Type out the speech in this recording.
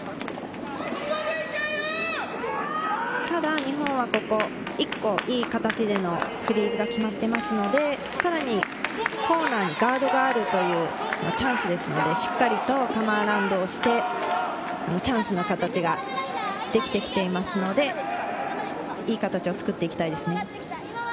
ただ、日本は１個、いい形でのフリーズが決まっていますので、さらにコーナーにガードがあるというチャンスですのでしっかりカムアラウンドしてチャンスの形ができてきていますので、いい形を作っていきたいですね。